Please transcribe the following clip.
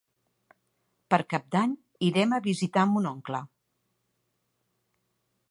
Per Cap d'Any irem a visitar mon oncle.